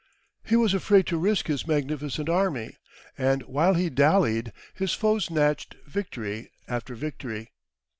He was afraid to risk his magnificent army, and while he dallied his foes snatched victory after victory.